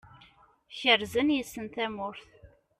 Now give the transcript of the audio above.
Kerzen yes-sen tamurt.